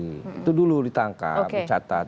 itu dulu ditangkap dicatat